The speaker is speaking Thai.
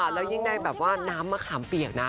แล้วยิ่งได้แบบว่าน้ำมะขามเปียกนะ